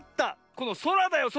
このそらだよそら！